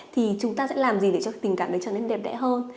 thì chúng ta sẽ làm gì để cho tình cảm đấy trở nên đẹp đẽ hơn